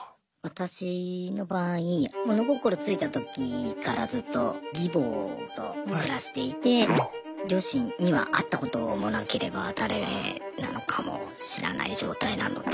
私の場合物心ついた時からずっと義母と暮らしていて両親には会ったこともなければ誰なのかも知らない状態なので。